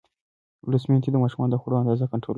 لوستې میندې د ماشومانو د خوړو اندازه کنټرولوي.